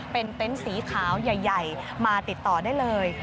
เป็นเต็นต์สีขาวใหญ่มาติดต่อได้เลย